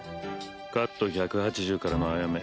カット１８０からのアヤメ。